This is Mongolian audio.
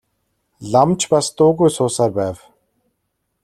Лам ч бас дуугүй суусаар байв.